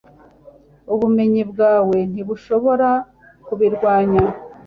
Ubumenyi bwawe ntibushobora kubirwanya